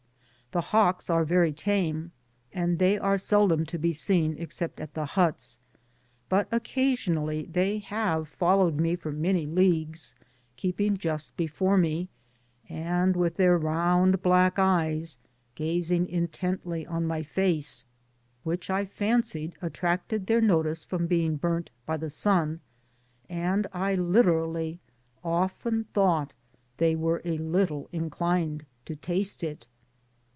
In the summer this * The hawks are very tame^ and they are seldom to be seen except at the huts; but occasionally they have followed me ibr many leagues, keeping just before me, and with their round black eyes gacing intently on my face, which 1 fancied attracted their notice from being' burnt by the sun, and I literally often thought they were a little inclined to taste it.